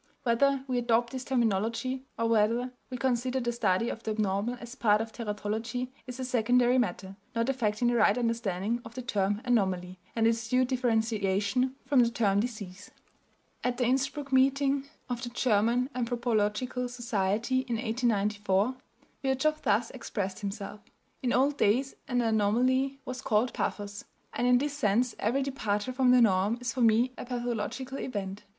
Whether we adopt this terminology, or whether we consider the study of the abnormal as part of teratology, is a secondary matter, not affecting the right understanding of the term "anomaly" and its due differentiation from the term "disease." At the Innsbruck meeting of the German Anthropological Society, in 1894, Virchow thus expressed himself: "In old days an anomaly was called pathos, and in this sense every departure from the norm is for me a pathological event.